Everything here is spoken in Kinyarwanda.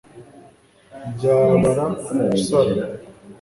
byabara usara